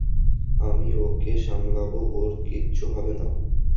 আমি ওকে সামলাবো, ওর কিচ্ছু হবে না।